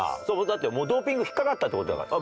だってもうドーピング引っ掛かったって事だから。